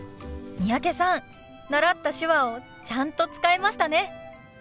三宅さん習った手話をちゃんと使えましたね。